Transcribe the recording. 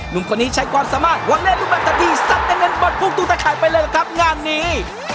นุ่มคนนี้ใช้ความสามารถวังเล่นรูปแบบที่สัดในเงินบอลภูมิต้องได้ขายไปเลยล่ะครับงานนี้